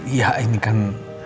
ya ini kan